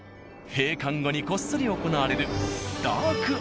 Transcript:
閉館後にこっそり行われる。